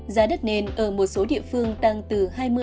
giá đất nền ở một số địa phương tăng từ hai mươi bốn mươi năm